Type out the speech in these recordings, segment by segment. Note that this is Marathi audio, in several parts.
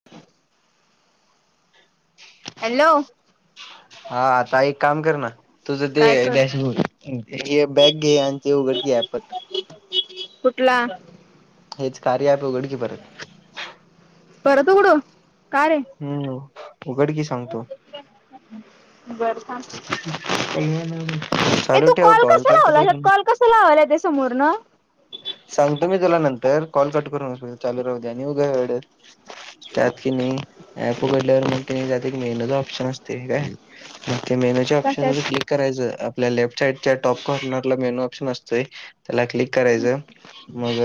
[inaudible] हॅलो हा ताई एक काम कर ना तुझं ते काय कर डॅशबोर्ड घे बॅग घे आणि ते उघड की [unintelligible] कुठला हेच कार्य अँप उघड की परत परत उघडू का रे हम्म उघड की सांगतो ए चालू तू ठेव कॉल कसा कट लावला करू नको [unintelligible] लावायला येतं समोरनं सांगतो मी तुला नंतर कॉल कट करू नको चालू राहू दे आणि उघड त्यात कि नाही ऍप उघडल्यावर म्हण कि नाही त्यात एक मेहन चा ऑप्शन असते काय [unintelligible] ऑप्शन कशात वर क्लिक करायचं आपल्या लेफ्ट साईडच्या टॉप कॉर्नरला मेनू ऑप्शन असतोय त्याला क्लिक करायचं मग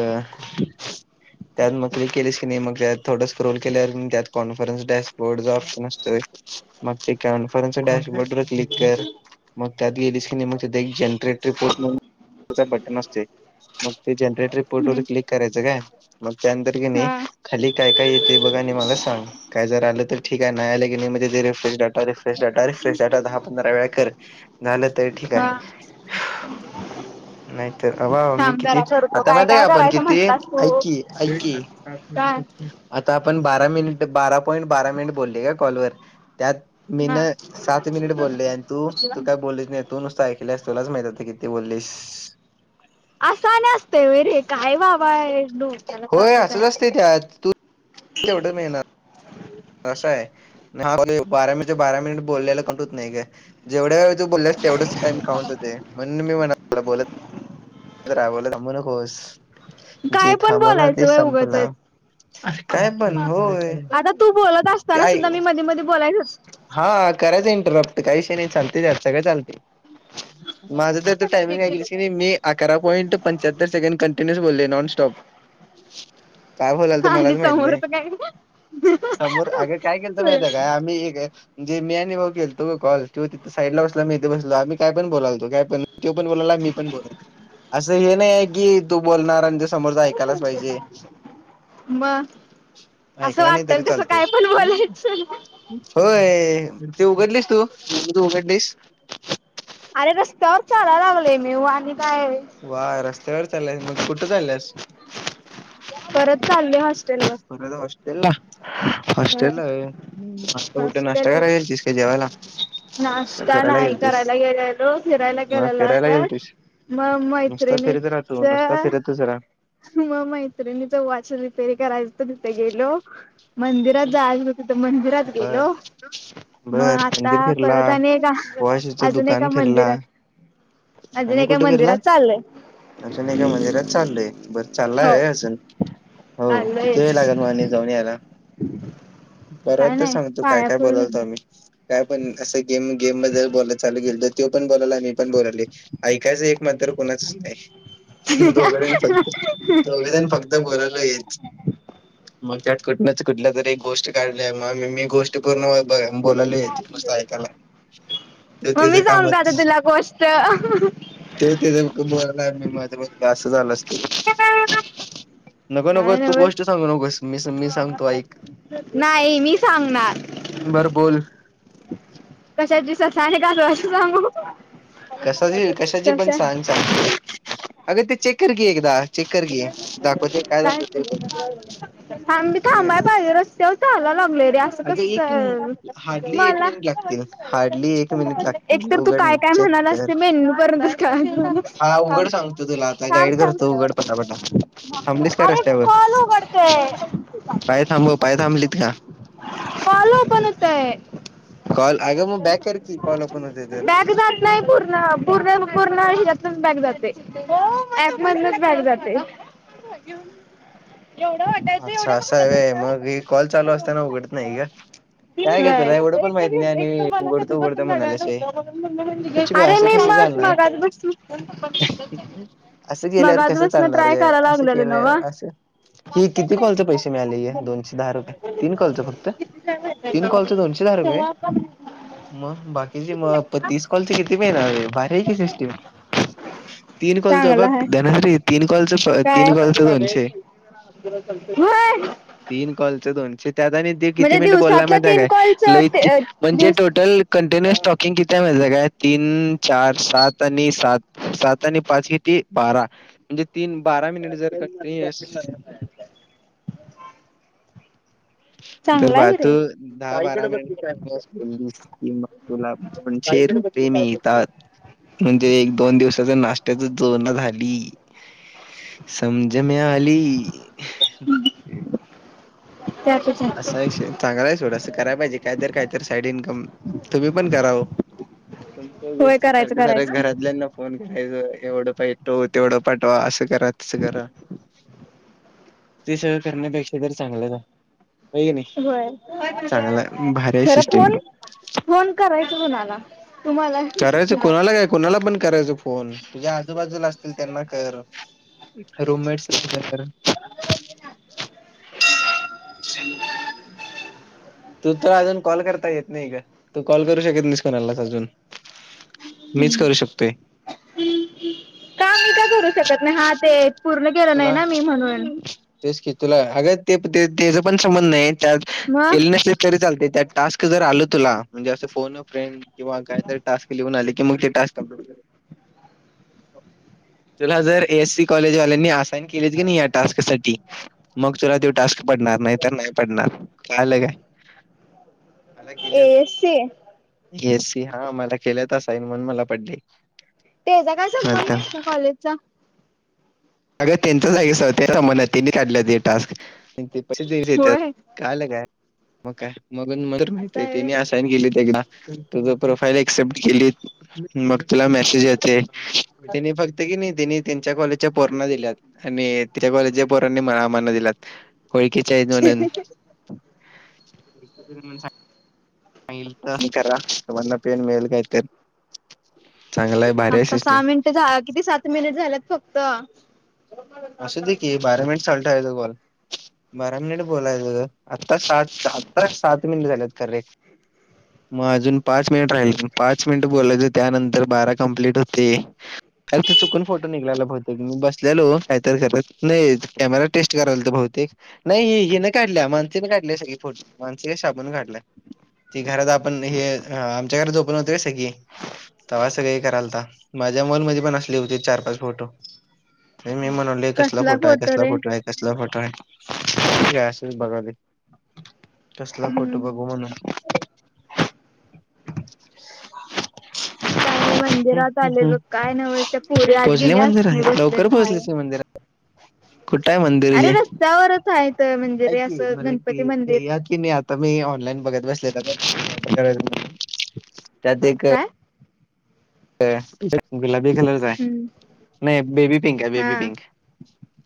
त्यात मग ते क्लिक केलेस की नाही मग त्यात थोडं स्क्रोल केल्यावर त्या कॉन्फरन्स डॅशबोर्ड चा ऑप्शन असतोय [unintelligible] मग ते कॉन्फरनच डॅशबोर्डवर क्लिक कर मग त्यात गेलीस की नाय त्यात एक जनरेट रिपोर्ट च बटन असतं मग त्या जनरेट रिपोर्टवर हम्म क्लिक करायचं काय, मग त्यानंतर काय हा खाली काय काय येतंय बघ आणि मला सांग. काय जर आलं तर ठीक हाय, नाही आलं तर मग refresh data refresh data refresh data दहा पंधरा वेळा कर. झालं तर ठीक आहे हां. नाहीतर अ मी [unintelligible] थांब किती, जरा करतो आता माहित काय आपण, करायचं किती म्हंटलास तू ऐकी ऐककी काय आता आपण बारा मिनिटं, बारा पॉईंट बारा मिनिटं बोललय का कॉलवर, त्यात हा मीनं सात मिनिटं बोललोय, आणि तू, तू काय बोललीच नाहीस. तू नुसतं ऐकल्यास, तुलाच माहित आता तू किती बोललीस. असं पण असतंय व्हय रे, काय बाबा हायस डोकं होय असंच असतंय त्यात, त तुला तेवढं मिळणार. तसं आहे, हा बारा मि बारा मिनिटं बोललेलं कट हूत नाही काय. जेवढा वेळ तू बोलल्यास तेवढाच वेळ काउंट होतय, म्हणून मी म्हणलतो तूला बोलत रा [unintelligible] थांबू नकोस. जे काय पण थांबला ते बोलायचं वय संपला उगचच. काय पण होय आता तू बोलत ते असताना आई सुद्धा मी मधी मधी बोलायचंच हा करायचं इंटरप्ट, काय विषय नाही, सगळं चालतंय त्यात. माझं तर तू टाइमिंग ऐकलंस क नाई मी अकरा पॉइंट पंच्याहत्तर सेकंड कंटिन्यूअस बोललोय नॉन स्टॉप. का बोलाल तो मलाच आणि माहित समोरच नाही, काय समोर अग काय केलतो माहित हाय काय, आम्ही एक म्हणजे मी आणि भाऊ केलतो गं कॉल, जो तिथं साईटला बसलेला आणि मी इथं साईटला, आम्ही काय पण बोलायलतो काय पण. [unintelligible] त्यो पण बोलालाय, मी पण बोलालोय, असं हे नाहीये की समोरचं ऐकायलाच पाहिजे. म, असं ऐकला नाही तरी वाटलं तसं चालतंय काय पण बोलायचं. होय, म त उघडलीस तू, म तू उघडलीस, फ अरे रस्त्यावर चाला लागलोय मीवआणि काय वा रस्त्यावर चालल्यास, मग कुठं चालल्यास? परत चालले हॉस्टेल वर. परत हॉस्टेलला. होस्टेलला वय, आता कुठं नाश्ता हॉस्टेल करायला गेलतीस का जेवायला, का नाश्ता फिरायला नाही गेलता करायला गेलेलो, फिरायला गेलेलो असंच गेलतीस म नुसता फिरत राहा तू नुसता मैत्रिणीचं फिरतच राहा. मग मैत्रिणीचं वॉच रिपेअर करायचं तिथं गेलो मंदिरात जायचं होतं तींत मंदिरात बर गेलो, मग बर मंदिर फिरला परत आता आणखी एका वॉशचं अजून दुकान एका फिरला मंदिरात, अजून आणि एका कुठे फिरला? मंदिरात चाललोय. अजून एका मंदिरात चाललोय, बरं चाललाय हो वय अजून हो, किती वेळ चाललोयच लागल मग जाऊन यायला? काय परवाचं नाही सांगतो काय पाया काय पडून बोलालोत येणार. आम्ही काय पण, असं गेम गेम बद्ल बोलाय चालू केलतं, तर तो पण बोलालाय मी पण बोलालोय ऐकायचं एक मात्र कोणाचच नाही, दोघजण फक्त दोघजण फक्त बल मग त्यात कुठ कुठ तरी गोष्ट काढल्या मगी गो [unintelligible] पूर्ण बोलाली [unintelligible] म मी सांगू काय आता तुला आता गोष्ट,, हंहंहं. त्यो त्याचं बोलायलाय, मी माझं बोलायलोय, असं झालं असल. काय नगो नगो तू नव्हच गोष्ट सांगू नगोस मी सांगतो ऐक. नाही मी सांगणार बर बोल कशाची ससा आणि कासवाची सांगू. कशाची कशाची पण कशा सांग चालतंय अग ते चेक कर की एकदा. चेक कर की दाखवतोय काय दाखवतोय बग. थांब मी थांबाय पाहिजे रस्त्यावर चालायला लागलोय रे असं अग एक कसं हार्डली एक मला मिनिट लागतील हार्डली एक मिनिट लागतील. ती एकतर तू उघड ना काय [unintelligible] काय चेक म्हणालास कर ते मेनू पर्यंतच कळालं हा उघड थांब सांगतो तुला आता गाईड थांब थांब करतो उघड पटा थांबलीस का अरे रस्त्यावर कॉल उघडतोय पाय थांबव पाय थांबलीत का? कॉल ओपन होतय कॉल आग मग बॅक कर की कॉल ओपन होतंय तर नाय पूर्ण पूर्ण पूर्ण ही जात नच बॅक जातंय ॲप मधूनच बॅक जातय. [unintelligible] एवढं वाटायचं अच्छा असं आहे एवढं व्हय मग हे कॉल चालू म असताना उघडत नाही का? [unintelligible] काय ग तुला एवढं पण माहित नाही एक तर आणि मला उघडतं कधी उघडतं पासून म्हणाल्यास व्हय. कुछ [unintelligible] बी अरे असं मी कसं [unintelligible] चालणार? असं केल्यावर मगात कसं बस [unintelligible] चालणार ट्राय ग करायला असं लागल्यो केल्यावर नव्हं. असं ही लास्ट किती कॉलचे पैसे मिळाले हे टाइम दोनशे दहा रुपये तीन कॉलचं फक्त तीन कॉलचं दोनशे दहा रुपये [unintelligible] [unintelligible] मग बाकीचे मग प तीस कॉलची किती मिळनार हाय भारी की सिस्टीम. तीन कॉलचं चांगलं हाय. बग धनारी तीन कॉलचं काय तीन कॉलचं दोनशे होय तीन कॉलचं दोनशे त्यात आणि ते किती म्हणजे मिनिटं बोलला दिवसातला माहितीय तीन काय कॉलच लय ते म्हंजे दिवस टोटल कंटिन्युअस टॉकिंग किती्य माहिती काय तीन, चार, सात, आनी सात सात आनी पाच किती? बारा म्हणजे तीन बारा मिनिट जर का जर चांगला आहे भावा की तू रे दहा बारा मिनिट बोललास की मग तुला दोनशे रुपये मिळतात. म्हणजे एक दोन दिवसाच नाश्त्याच जोळणा झाली. समजेमे आली [unintelligible] त्यातच हाय असा विषय चांगलंय सोडा कराय पाइजे कायतर कायत साईड इन्कम तुम्ही पण करावं ओ. तुमच्या होय गोष्टी करायचं सारक्या सारकं करायचं घरातल्याना फोन करायचं यवडं पइतो तेवडं पाटवा असं करात करा ते सगळं करण्यापेक्षा तरी चांगलय होय चांगला भारी आहे खरं सिस्टीम. फोन फोन करायचं कुणाला तुमाला? करायचं कोनाला काय कोनाला पन करायच फोन तुझ्या आजूबाजूला असतील त्यांना कर. रूममेट्स [unintelligible] लाकर [unintelligible] [unintelligible] तू तुझं तुला अजून कॉल करता येत नाई का तू कॉल करू शकत नाहीस कोणालाच अजून. मीच करू शकतोय. का मी का करू शकत नाही हा ते पूर्ण केलं नाई तुला ना मी नाही म्हणून मी तेच की तुला अग ते त्येच पन समजल नाइ त्या मग केली नसलीस तरी चालतय त्यात टास्क जर आलं तुला म्हणजे असं फोन फ्रेंड किंवा कायतरी टास्क लिहून आले कि मग ते टास्क कंम्प्लीट तुला जर एयस्सी कॉलेजवाल्यांनी असाइन केलीत की नाई या टास्क साटी मग तुला त्यो टास्क पडणार, नाइ तर नाही पडणार. कळालं काय? एसी ए एस सी हा मला केल्यात असाईन, म्हणून मला पडलय. ते यचा काय संमंद, त्या कॉलेजचा.? अग त्येंचच हाय की, तंचाच संमंद हाय, तनी काढल्यात हे टास्क, पैशे तनी देण्यात. होय कळालं काय, मग काय मग म असं माहतीय आहे व्हय. त्यानी असाईन केल ते तुजं प्रोफाईल एऍक्सेप्ट केलीत मग तुला मेसेज येतय, तनी फक्त कि नाइ तनी त्यांच्या कॉलेजच्या पोरांना दिल्यात. आनी त्या कॉलेजच्या पोरांनी आमाना दिल्यात. वळखीचे हाईत मनून [unintelligible] चांगला आहे भारी आहे आता सिस्टीम सहा मिनिटं झा किती सात मिनिट झाल्यात फक्त. आसूदेकी बारा मिनीट चालू टेवायचं कॉल. बारा मिनिट बोलायचं ग, आत्ता सात आता सात मिनिट झाल्यात करेक्ट. म अजून पाच मीनीट राहिलं, पाच मिनिट बोलायचं त्यानंतर बारा कम्प्लीट हूते आरे तो चुकून फोटो निगलेला बहुतेक, मी बसलेलो काइतरि करत, नाही कॅमेरा टेस्ट करालतो बहुतेक नइ हे हिन काढल्या माणसी न काढल्या सगळे फोटो, माणसी का शाबून काढल्या. ती घरात आपण हे, अं आमच्या घरात झओपन होतं वय सगळी. तवा सगळे करालता, माझ्या मन मध्ये पण असली होती चार पाच फोटो, मी कसला फोटो आहे, कसला फोटो आहे, कसला फोटो आहे, काय असल बघालोय. कसला फोटो हम्म बघू म्हणून. आम्ही हम्म मंदिरात हम्म आले हम्म, बघ काय नव्हच त्या पोरी आत पोहचली गेल्यात मी मंदिरात, बसले लवकर बाहेर पोहोचलीच की मंदिरात. [inaudible] कुठंआय मंदिर अरे जे, रस्त्यावरच आहे तर म्हणजे हाय रे कि, असं गणपती मंदिर तुम्ही याकी. की नाही आता मी ऑनलाईन बघत बसलेलो गं, त्यात एक काय.? गुलाबी कलरचा आहे, हम्म नाही बेबी पिंक आहे बेबी हा पिंक.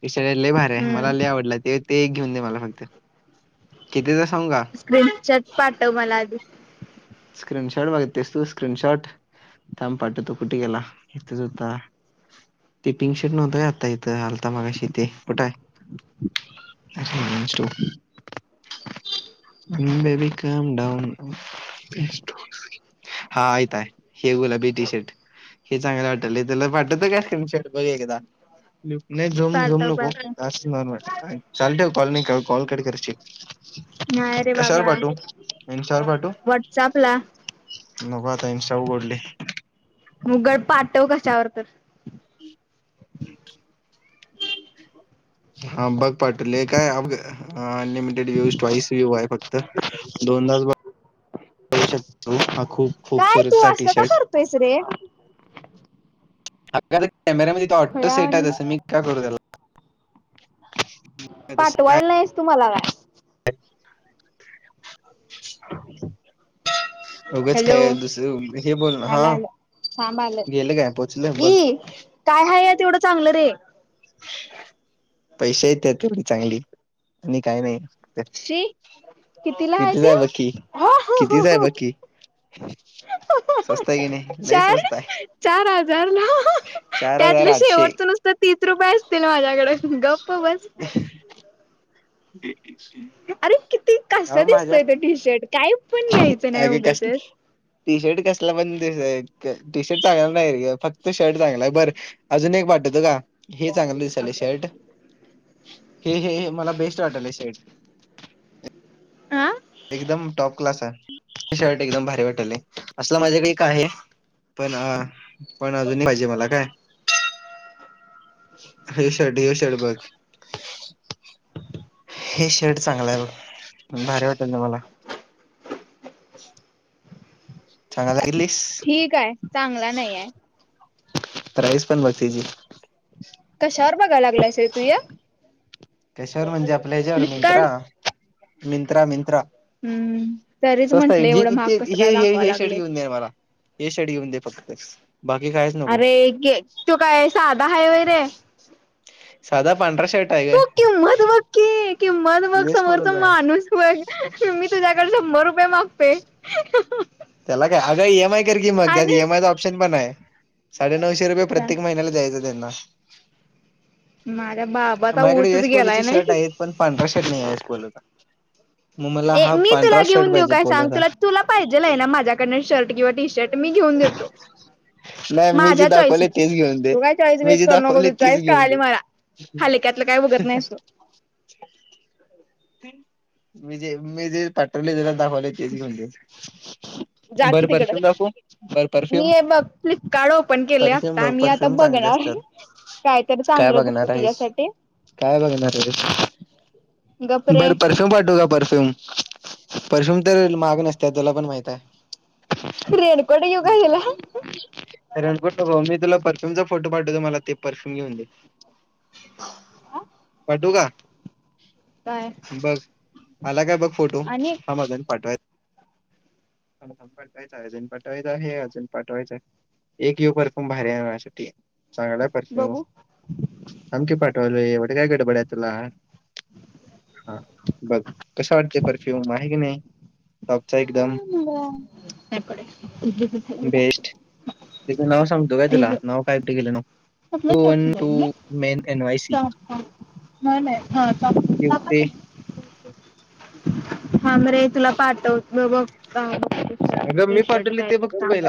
विषय लय भारी आहे, मला लय हम्म आवडला ते. ते एक घेऊन दे मला फक्त, कितीचा हाय सांगू का,? स्क्रीनशॉट पाठव मला आधी. स्क्रीन शॉट मागतेस तू स्क्रीन शॉट. थांब पाठवतो, कुठे गेला, इथं हूता. ते पिंक शर्ट नव्हतंय आता इथं, आत्ता मागाशी इथं, कुठाय? अचो. [unintelligible] Baby calm down. [unintelligible] हा इथं हाय, हे गुलाबी टी शर्ट. हे चांगलं वाटलंय तूला पाठवतो काय, स्क्रीन शॉट बघ एकदा, नाही झूम झूम पाठव नको पाठव चालू ठेव कॉल, कॉल कट करचील नाही रे कशावर बाबा पाठवू, इंस्टावर पाठवू. व्हॉट्सअपला नको आता इंस्टा उघडलोय. मगर पाठव कशावर तर. हम्म हम्म. हा बघ पाठवलय काय. [unintelligible] [unintelligible] को हा खूप खूपसुरत चा टी शर्ट. [unintelligible] पैसे रे. अ कॅमेरा मध्येथ ऑटो सेट खुळ्यावानी आहे तसं मी काय करू त्याला. [unintelligible] पाठवायला नाहीस तू मला काय. [unintelligible] उघच हॅलो काय दुसरं हे बोल ना हा आलं आलं थांब आलं गेलं काय पोचलं बघ ई काय हाय ह्यात एवढ चांगलं रे. पैसे येत तेवढी चांगली आणि काय नाही. तर शी कितीला आहे कितीच ती. बघ की, कितीच आहे बघ की. [unintelligible] स्वस्त आहे की नाही? लई चार स्वस्त आहे. चार हजार ना त्यातलं शेवटच नुसतं तर तीस रुपये असतील माझ्याकडे गप्प बस. [unintelligible] अरे किती कस अहो माझ्या दिसतोय ते टी शर्ट काय पण घ्यायचं नाही अगं कस उगच. टी शर्ट कसला पण दिस टी शर्ट चांगला नाही रे फक्त शर्ट चांगला आहे बरं. अजून एक पाठवतो का. हे चांगलं दिसायला शर्ट हे हे हे मला बेस्ट वाटायला शर्ट. आ. एकदम टॉप क्लास शर्ट एकदम भारी वाटलं असला माझ्याकडे एक आहे. पण अ पण अजून एक पाहिजे मला काय. ये शर्ट ह्यो शर्ट बघ. हे शेड चांगलं आहे भारी वाटलंय मला [unintelligible] ठीक हाय चांगला नाहीये प्राईज पण बघ त्याची कशावर बघा लागलायस तू य कशावर म्हणजे आपल्या ह्याच्यावर मिंत्रा फ्लिपकार्ट मिंत्रा मिंत्रा हम्म तरीच स्वस्त आहे म्हंटलं एवढं ज महाग कसं काय हे हे दाखवा हे शर्ट लागलंय घेऊन दे मला हे शर्ट घेऊन दे फक्त बाकी काय नको अरे [unintelligible] त्यो काय साधा हाय होय रे साधा पांढरा शर्ट आहे तू किंमत बघ की किंमत बघ काय येस समोरचा मॉडेलचा आहे माणूस बघ मी तुझ्याकडे शंभर रुपये मागते त्याला काय अगं इ एम आय कर की मग त्यात इ आणि एम आयचा ऑप्शन पण आहे साडे नऊशे रुपये प्रत्येक महिन्याला द्यायचं त्यांना माझ्या बाबाचा माझ्याकडे ऊसच गेलाय [unintelligible] शर्ट नाही आहे पण पांढरा शर्ट नाही [unintelligible] मग मला ए हा मी तुला पांढरा शर्ट घेऊन देऊ पाहिजे काय सांग तुला [unintelligible] तुला पाहिजेल आहे ना माझ्याकडन शर्ट किंवा टी शर्ट मी घेऊन देतो नाही मी जे माझ्या चॉईस न दाखवले तेच घेऊन दे तू काय चॉईस मी बेच जे करू नको दाखवले तू तेच चॉईस घेऊन कळाली दे मला हलक्यातलं काय बघत नाहीस तू मी जे मी जे पाठवले तुला दाखवले तेच घेऊन दे जा की बर तिकडं परफ्युम दाखवू बर मी परफ्यूम हे बघ फ्लिपकार्ट ओपन केले परफ्युम बघ पर फ्युम चांगले असतात काय तरी काय चांगलं बघतो बघणार आहेस तुझ्यासाठी काय बघणारे गप रे बरं परफ्युम पाठवू का परफ्युम परफ्यूम तर महाग नसते तुला पण माहितीये. रेनकोट घेऊ का तूला रेनकोट नको मी तुला परफ्यूम चा फोटो पाठवतो मला ते परफ्युम घेऊन दे. [inaudible] पाठवू का काय बघ आलाय काय बघ फोटो आणि थांब अजून पाठवायचाय हा बघ अजून पाठवायच आहे अजून पाठवायचं हे अजून पाठवायचंय. एक ह्यो परफ्युम भारी हाय माझ्यासाठी चांगला आहे. परफ्यूम बघू थांब की पाठवायला एवढी काय गडबड आहे तुला. हा बघ कसा वाटतोय परफ्यूम आहे की नाही टॉपचा एकदम. [unintelligible] बेस्ट तिच नाव सांगतो काय तुला नाव काय केेलं नाव two one two men N Y C ते [unintelligible] थांब रे तुला पाठवतो [unintelligible] अगं टी मी पाठवले ते बघ तू शर्ट पहिला